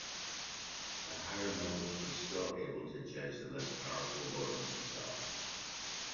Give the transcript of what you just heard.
The higher nobles were still able to judge the less powerful lords themselves.